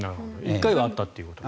１回はあったと。